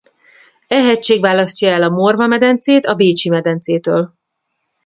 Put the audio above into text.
E hegység választja el a Morva-medencét a Bécsi-medencétől.